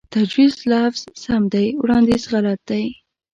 تجويز لفظ سم دے وړانديز غلط دے